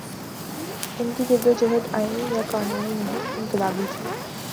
ان کی جد وجہد آئینی یا قانونی نہیں، انقلابی تھی۔